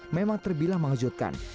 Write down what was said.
memang terbilang mengejutkan